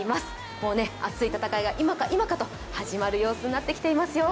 もう熱い戦いが今か今かと始まる様子になってきていますよ。